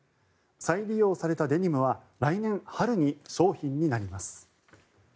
再利用されたデニムは来年春に商品になります。